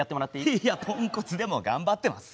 いやポンコツでも頑張ってます！